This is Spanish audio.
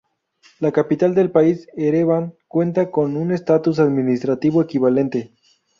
La capital del país, Ereván, cuenta con un estatus administrativo equivalente.